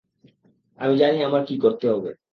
আমি জানি আমার কী করতে হবে।